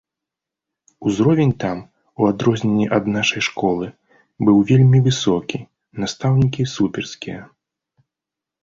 Узровень там, у адрозненне ад нашай школы, быў вельмі высокі, настаўнікі суперскія.